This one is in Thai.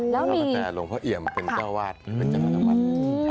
แล้วก็แต่หลวงพ่อเอี่ยมเป็นเจ้าวาดเป็นจังหวัด